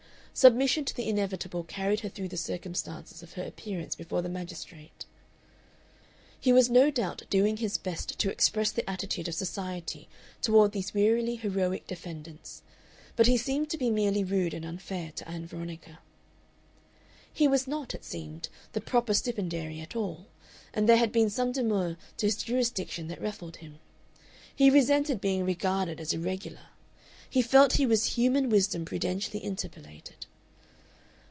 Submission to the inevitable carried her through the circumstances of her appearance before the magistrate. He was no doubt doing his best to express the attitude of society toward these wearily heroic defendants, but he seemed to be merely rude and unfair to Ann Veronica. He was not, it seemed, the proper stipendiary at all, and there had been some demur to his jurisdiction that had ruffled him. He resented being regarded as irregular. He felt he was human wisdom prudentially interpolated....